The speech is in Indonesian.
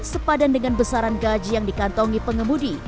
sepadan dengan besaran gaji yang dikantongi pengemudi